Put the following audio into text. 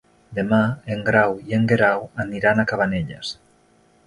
Demà en Grau i en Guerau aniran a Cabanelles.